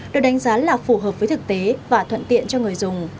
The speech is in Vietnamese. được đánh giá là phù hợp với thực tế và thuận tiện cho người dùng